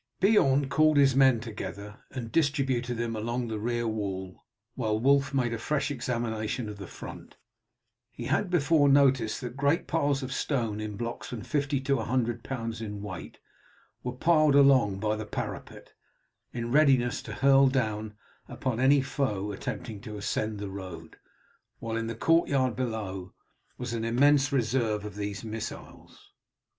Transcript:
Beorn called his men together and distributed them along the rear wall, while Wulf made a fresh examination of the front. He had before noticed that great piles of stone in blocks from fifty to a hundred pounds in weight were piled along by the parapet, in readiness to hurl down upon any foe attempting to ascend the road, while in the courtyard below was an immense reserve of these missiles.